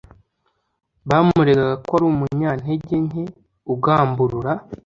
Bamuregaga ko ari umunyantege nke ugamburura.